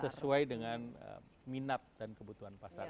sesuai dengan minat dan kebutuhan pasar